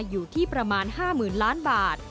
อยู่ที่ประมาณ๕๐๐๐ล้านบาท